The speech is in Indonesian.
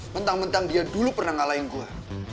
mentang mentang dia dulu pernah ngalahin gue